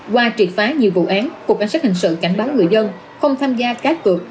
qua triệt phá nhiều vụ án cục cảnh sát hình sự cảnh báo người dân không tham gia cá cược